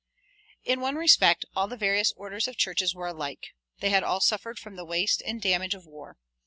In one respect all the various orders of churches were alike. They had all suffered from the waste and damage of war.